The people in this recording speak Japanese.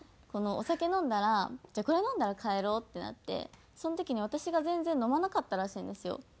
お酒飲んだら「じゃあこれ飲んだら帰ろう」ってなってその時に私が全然飲まなかったらしいんですよ。